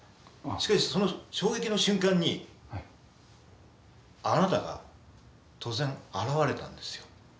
しかしその衝撃の瞬間にあなたが突然現れたんですよ。